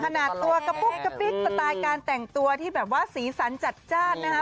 ขนาดตัวกระปุ๊กกระปิ๊กสไตล์การแต่งตัวที่แบบว่าสีสันจัดจ้านนะคะ